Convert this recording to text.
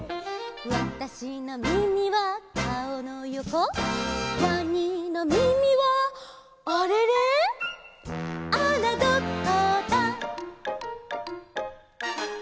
「わたしのみみは顔のよこ」「わにのみみはあれれ」「あらどこだ」